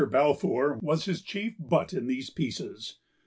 Balfour was his chief butt in these pieces.